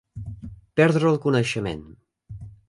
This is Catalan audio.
Perdre el coneixement.